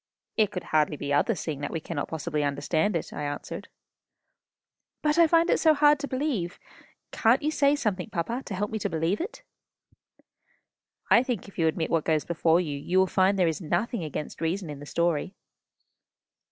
"It could hardly be other, seeing that we cannot possibly understand it," I answered. "But I find it so hard to believe. Can't you say something, papa, to help me to believe it?" "I think if you admit what goes before, you will find there is nothing against reason in the story."